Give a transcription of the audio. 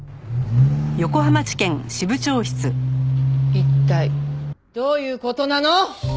一体どういう事なの！？